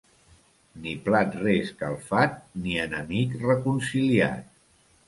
Ni plat reescalfat, ni enemic reconciliat.